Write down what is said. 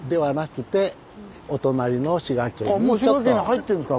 もう滋賀県に入ってるんですか